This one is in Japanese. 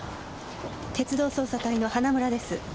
鉄道捜査隊の花村です。